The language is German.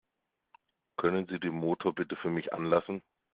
Können Sie den Motor bitte für mich anlassen?